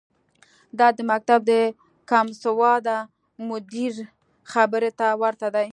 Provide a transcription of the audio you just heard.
دا د مکتب د کمسواده مدیر خبرې ته ورته ده.